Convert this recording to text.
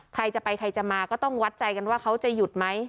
ใครจะไปใครจะมาก็ต้องวัดใจกันว่าเขาจะหยุดไหม